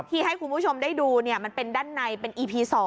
ให้คุณผู้ชมได้ดูมันเป็นด้านในเป็นอีพี๒